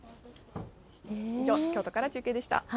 以上、京都から中継でした。